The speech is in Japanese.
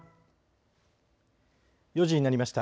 ４時になりました。